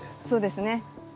そうですね。